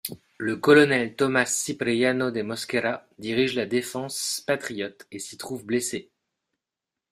Le colonel Tomás Cipriano de Mosquera dirige la défense patriote et s'y trouve blessé.